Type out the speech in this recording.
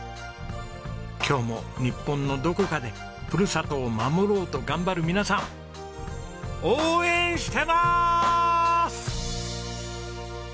今日も日本のどこかでふるさとを守ろうと頑張る皆さん応援してまーす！